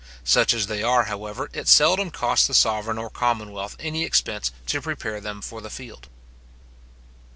Such as they are, however, it seldom costs the sovereign or commonwealth any expense to prepare them for the field.